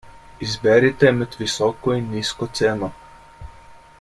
Izberite med visoko in nizko ceno.